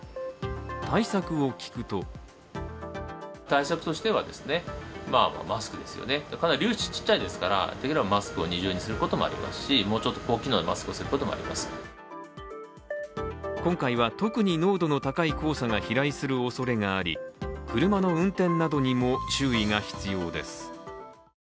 対策を聞くと今回は特に濃度の高い黄砂が飛来するおそれがあり車の運転などにも注意が必要です。